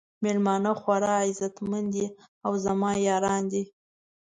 میلمانه خورا عزت مند دي او زما یاران دي.